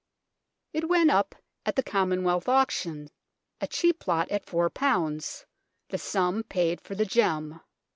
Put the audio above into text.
It went up at the Common wealth auction a cheap lot at 4, the sum paid for the gem.